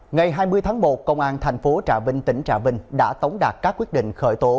ngày hai mươi tháng một công an thành phố trà vinh tỉnh trà vinh đã tống đạt các quyết định khởi tố